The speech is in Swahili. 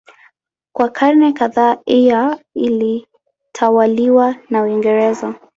Kwa karne kadhaa Eire ilitawaliwa na Uingereza.